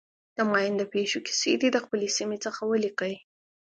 د ماین د پېښو کیسې دې د خپلې سیمې څخه ولیکي.